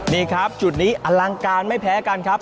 นี่ครับจุดนี้อลังการไม่แพ้กันครับ